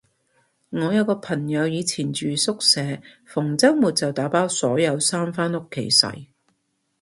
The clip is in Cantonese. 我有個朋友以前住宿舍，逢周末就打包所有衫返屋企洗